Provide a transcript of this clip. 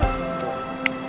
jodoh ga akan ketuker